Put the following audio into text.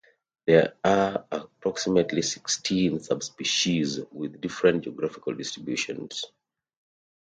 There are approximately sixteen subspecies with differing geographical distributions.